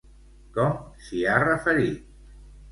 Com s'hi ha referit?